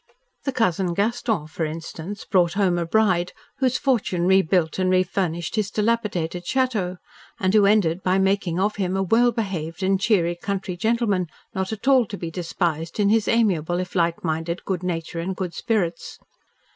The Cousin Gaston, for instance, brought home a bride whose fortune rebuilt and refurnished his dilapidated chateau and who ended by making of him a well behaved and cheery country gentleman not at all to be despised in his amiable, if light minded good nature and good spirits.